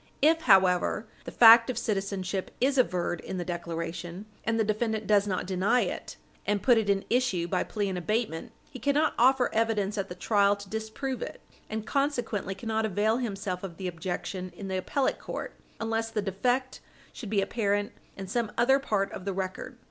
If, however, the fact of citizenship is averred in the declaration, and the defendant does not deny it and put it in issue by plea in abatement, he cannot offer evidence at the trial to disprove it, and consequently cannot avail himself of the objection in the appellate court unless the defect should be apparent in some other part of the record.